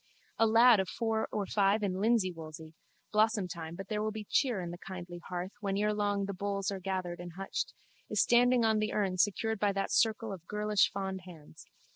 A lad of four or five in linseywoolsey (blossomtime but there will be cheer in the kindly hearth when ere long the bowls are gathered and hutched) is standing on the urn secured by that circle of girlish fond hands.